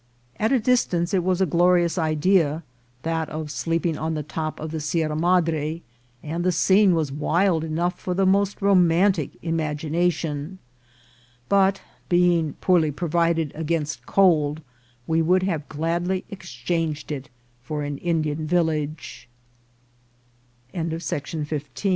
At a distance it was a glorious idea, that of sleeping on the top of the Sierra Madre, and the scene was wild enough for the most romantic imagination ; but, being poorly provided against cold, we would have gladly ex changed it for an Indian